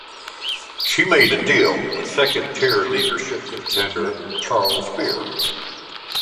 She made a deal with second-tier leadership contender Charles Beer.